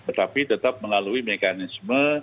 tetapi tetap melalui mekanisme